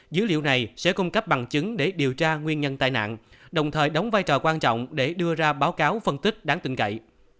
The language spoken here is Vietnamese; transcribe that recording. dữ liệu này sẽ cung cấp bằng chứng để điều tra nguyên nhân tai nạn đồng thời đóng vai trò quan trọng để đưa ra báo cáo phân tích đáng tin cậy